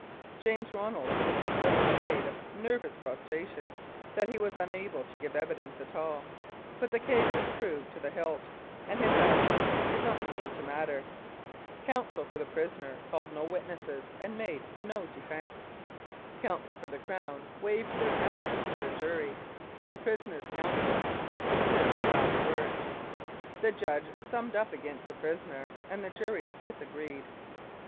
James Ronald was in such a state of nervous prostration that he was unable to give evidence at all, but the case was proved to the hilt, and his absence did not seem to matter. Counsel for the prisoner called no witnesses 274 Incidents of Mounted Police Life and made no defence. Counsel for the Crown waived their address to the jury, and the prisoner's counsel thus secured the last word. The judge summed up against the prisoner, and the jury disagreed.